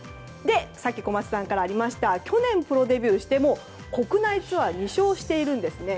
さっき小松さんからありました去年、プロデビューしてもう、国内ツアー２勝しているんですね。